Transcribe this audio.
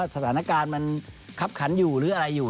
สถานการณ์มันคับขันอยู่หรืออะไรอยู่